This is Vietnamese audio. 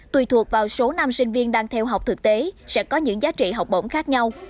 tùy thuộc vào số năm sinh viên đang theo học thực tế sẽ có những giá trị học bổng khác nhau